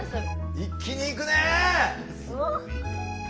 一気にいくね！